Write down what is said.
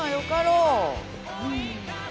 うん。